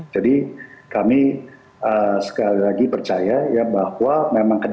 jadi kami sekali lagi percaya ya bahwa memang kedalaman partai politik yang diwakili